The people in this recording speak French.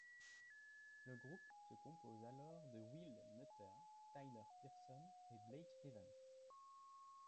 Le groupe se compose alors de Will Nutter, Tyler Peerson, et Blake Evans.